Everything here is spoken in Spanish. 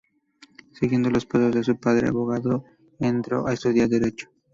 Siguiendo los pasos de su padre abogado, entró a estudiar Derecho.